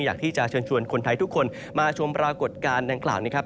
อยากที่จะเชิญชวนคนไทยทุกคนมาชมปรากฏการณ์ดังกล่าวนะครับ